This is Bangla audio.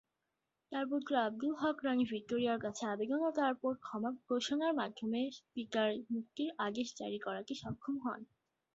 তার পুত্র আবদুল হক রাণী ভিক্টোরিয়ার কাছে আবেদন ও তারপর ক্ষমা ঘোষণার মাধ্যমে পিতার মুক্তির আদেশ জারি করাতে সক্ষম হন।